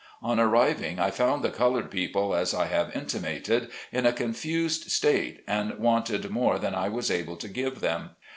On arriving I found the colored people as I have intimated, in a confused state, and wanted more than I was able to give them.